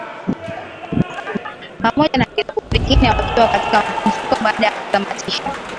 pamoja na vilabu vingine wakiwa katika mapumziko baada ya kutamatisha